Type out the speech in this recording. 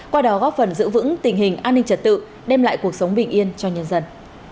qua đó góp phần giữ vững tình hình an ninh trật tự đem lại cuộc sống bình yên cho nhân dân